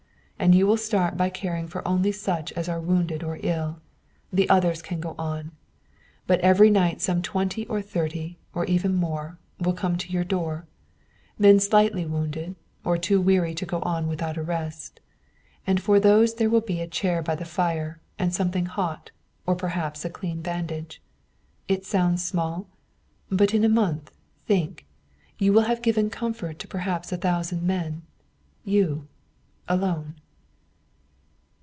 And you will start by caring for only such as are wounded or ill. The others can go on. But every night some twenty or thirty, or even more, will come to your door men slightly wounded or too weary to go on without a rest. And for those there will be a chair by the fire, and something hot, or perhaps a clean bandage. It sounds small? But in a month, think! You will have given comfort to perhaps a thousand men. You alone!"